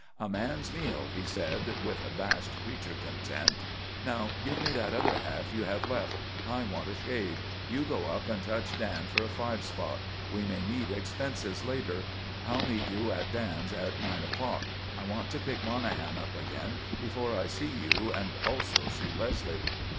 "A man's meal," he said with vast creature content. "Now give me that other half you have left. I want a shave. You go up and touch Dan for a five spot. We may need expenses later. I'll meet you at Dan's at nine o'clock. I want to pick Monahan up again before I see you, and also see Leslie."